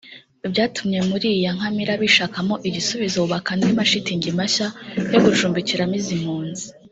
byatumye muri iyi ya Nkamira bishakamo igisubizo bubaka andi mashitingi mashya yo gucumbikiramo izi mpunzi